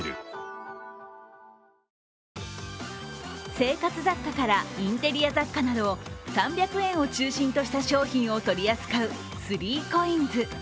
生活雑貨からインテリア雑貨など３００円を中心とした商品を取り扱う３ＣＯＩＮＳ。